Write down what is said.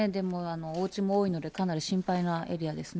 おうちも多いので、かなり心配なエリアですね。